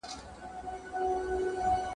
ستا د تروم له بد شامته جنګېدله `